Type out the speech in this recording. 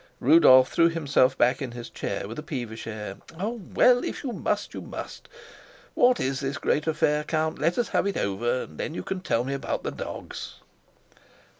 Rudolf threw himself back in his chair with a peevish air. "Well, if you must, you must. What is this great affair, Count? Let us have it over, and then you can tell me about the dogs."